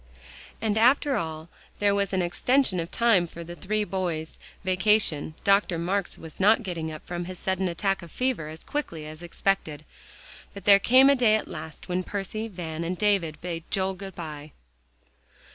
And after all, there was an extension of time for the three boys' vacation, Dr. Marks not getting up from his sudden attack of fever as quickly as was expected. But there came a day at last, when Percy, Van and David bade Joel "good by."